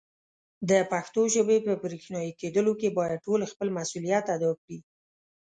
د پښتو ژبې په برښنایې کېدلو کې باید ټول خپل مسولیت ادا کړي.